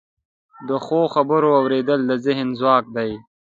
د ښو خبرو اوریدل د ذهن ځواک دی.